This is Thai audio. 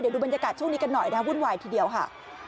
ดูบรรยากาศช่วงนี้กันหน่อยนะวุ่นวายทีเดียวค่ะ